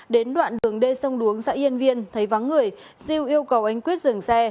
đến đoạn đường đê sông đuống xã yên viên thấy vắng người siêu yêu cầu anh quyết dừng xe